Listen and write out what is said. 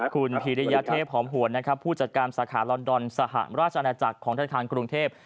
คุณพีริยเทพหอมหวนนะครับผู้จัดการสาขาลอนดอนสหราชอาณาจักรของธนาคารกรุงเทพ